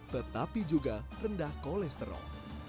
tetapi juga rendah kolesterol